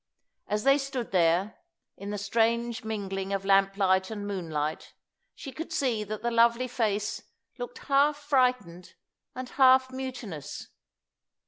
As they stood there, in the strange mingling of lamplight and moonlight, she could see that the lovely face looked half frightened and half mutinous.